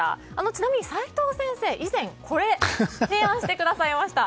ちなみに齋藤先生これ、提案してくださいました。